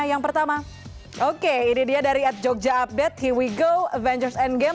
yang pertama oke ini dia dari at jogja update here we go avengers endgame